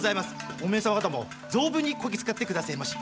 おめえ様方も存分にこき使ってくだせぇまし！